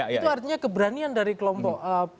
itu artinya keberanian dari kelompok